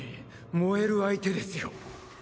燃える相手ですよ。